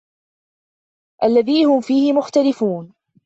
الَّذي هُم فيهِ مُختَلِفونَ